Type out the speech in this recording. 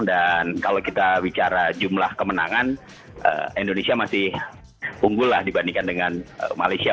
dan kalau kita bicara jumlah kemenangan indonesia masih unggul dibandingkan dengan malaysia